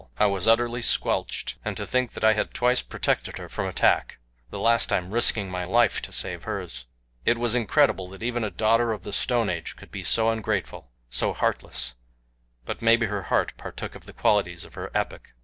I was utterly squelched. And to think that I had twice protected her from attack the last time risking my life to save hers. It was incredible that even a daughter of the Stone Age could be so ungrateful so heartless; but maybe her heart partook of the qualities of her epoch.